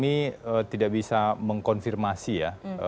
kami tidak bisa mengkonfirmasi ya